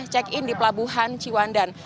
cek in di pelabuhan cewanan